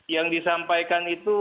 yang disampaikan itu